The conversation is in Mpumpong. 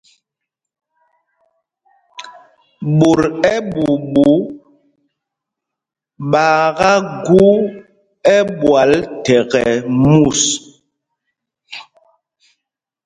Ɓot ɛ́ɓuuɓu ɓaaká gú ɛ́ɓwǎl thɛkɛ mus.